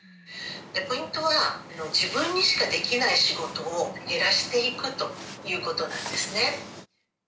ポイントは、自分にしかできない仕事を減らしていくということなんですね。